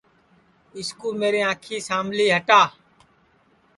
اِس کُو میرے انکھی سام لی ہٹا